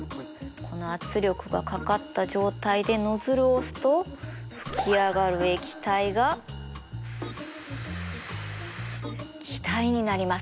この圧力がかかった状態でノズルを押すと噴き上がる液体が気体になります。